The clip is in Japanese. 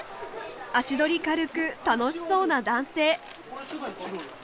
足取り軽く楽しそうな男性。